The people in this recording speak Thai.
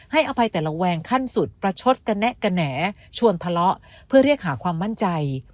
อภัยแต่ระแวงขั้นสุดประชดกระแนะกระแหนชวนทะเลาะเพื่อเรียกหาความมั่นใจ